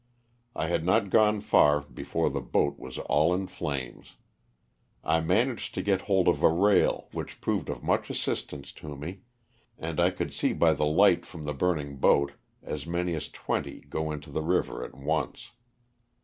I had not gone far before the boat was all in flames. I managed to get hold of a rail which proved of much assistance to me, and I could see by the light from the burning boat as many as twenty go into the river at once.